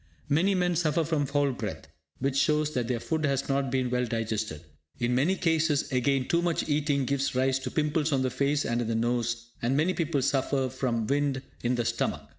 Many men suffer from foul breath, which shows that their food has not been well digested. In many cases, again, too much eating gives rise to pimples on the face, and in the nose; and many people suffer from wind in the stomach.